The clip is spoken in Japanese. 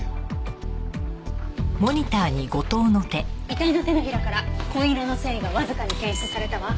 遺体の手のひらから紺色の繊維がわずかに検出されたわ。